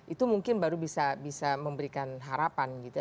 itu mungkin baru bisa memberikan harapan gitu ya